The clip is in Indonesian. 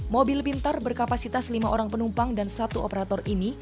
mobil pintar berkapasitas lima orang penumpang dan satu operator ini